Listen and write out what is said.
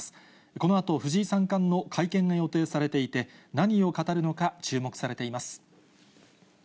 このあと藤井三冠の会見が予定されていて、何を語るのか、注目されています。